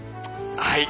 はい。